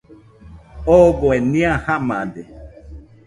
Ogoe nɨa jamade